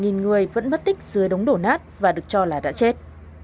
khoảng bảy người vẫn mất tích dưới đống đổ nát và được cho là đã chết